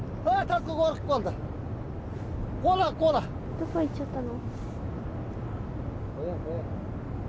どこ行っちゃったの？